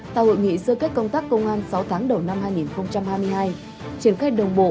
tại hội nghị sơ kết công tác công an sáu tháng đầu năm hai nghìn hai mươi hai triển khai đồng bộ